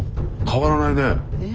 変わらないね。